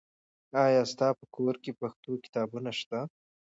آیا ستا په کور کې پښتو کتابونه سته؟